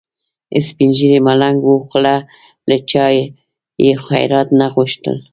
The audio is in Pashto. سپین ږیری ملنګ و خو له چا یې خیرات نه غوښت.